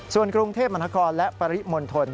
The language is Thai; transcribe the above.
ส่วนกรุงเทพมหานครและปริมณฑล